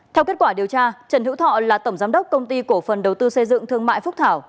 theo kết quả điều tra trần hữu thọ là tổng giám đốc công ty cổ phần đầu tư xây dựng thương mại phúc thảo